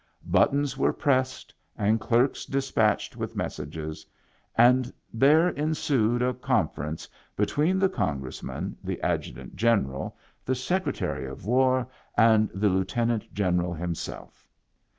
Buttons were pressed and clerks despatched with messages; and there ensued a conference between the Congressman, the Adjutant General, the Secretary of War, and the Lieutenant General himself.